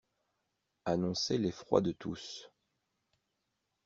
Annonçait l'effroi de tous.